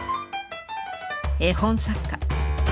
絵本作家。